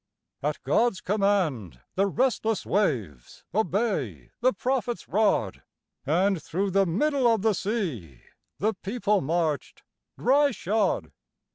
At God's command the restless waves Obey the prophet's rod; And, through the middle of the sea, The people marched dry shod.